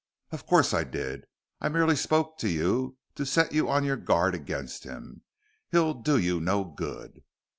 "Of course I did. I merely spoke to you to set you on your guard against him. He'll do you no good."